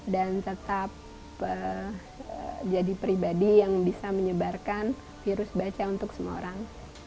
dan tetap jadi pribadi yang bisa menyebarkan virus baca untuk semua orang